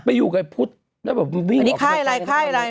ไม่อยู่กับพุธแล้วบอกวิ่งออกอันนี้ไข้อะไรไข้อะไร